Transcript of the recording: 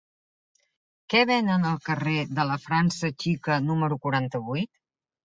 Què venen al carrer de la França Xica número quaranta-vuit?